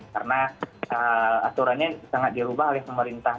karena aturannya sangat dirubah oleh pemerintah